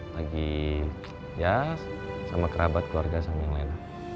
lagi ya sama kerabat keluarga sama yang lain